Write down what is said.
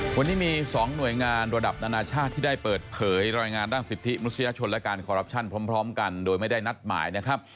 วันนี้มี๒หน่วยงานระดับนานาชาติที่ได้เปิดเผยรายงานด้านสิทธิมนุษยชนและการคอรัปชั่นพร้อมกันโดยไม่ได้นัดหมายนะครับ